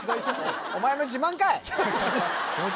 お前の自慢かい！